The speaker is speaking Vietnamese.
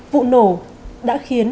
vụ nổ đã khiến